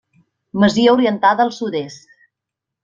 Masia orientada al sud-est.